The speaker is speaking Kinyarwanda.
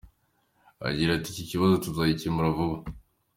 Agira ati “Iki kibazo tuzagikemura vuba.